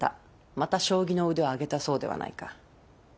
また将棋の腕を上げたそうではないか。